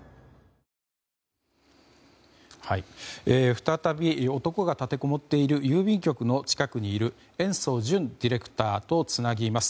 再び男が立てこもっている郵便局の近くにいる延増惇ディレクターとつなぎます。